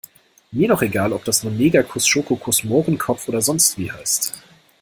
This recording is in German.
Mir doch egal, ob das nun Negerkuss, Schokokuss, Mohrenkopf oder sonstwie heißt.